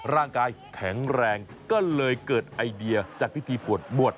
ร่างกายแข็งแรงก็เลยเกิดไอเดียจัดพิธีปวดบวช